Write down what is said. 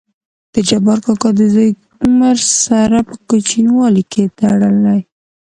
دجبار کاکا دزوى عمر سره په کوچينوالي کې تړلى.